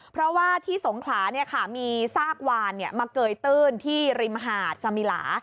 เพราะว่าที่สงขลามีซากวานมาเกยตื้นที่ริมหาดสมิลา